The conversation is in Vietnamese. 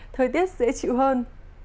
thời tiết dễ chịu hơn